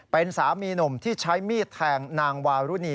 เป็นสามีหนุ่มที่ใช้มีดแทงนางวารุณี